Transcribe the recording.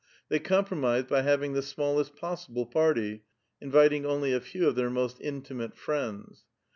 They com promised by having the smallest possible party, inviting only a few of their most iutimate friends.